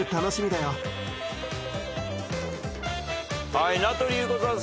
はい名取裕子さん